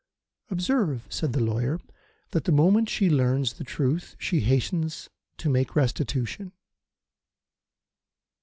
"Observe," said the lawyer, "that the moment she learns the truth she hastens to make restitution."